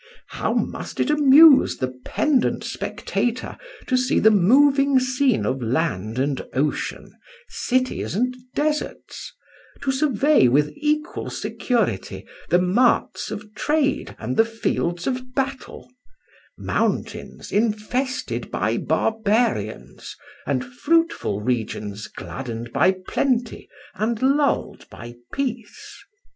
How must it amuse the pendent spectator to see the moving scene of land and ocean, cities and deserts; to survey with equal security the marts of trade and the fields of battle; mountains infested by barbarians, and fruitful regions gladdened by plenty and lulled by peace.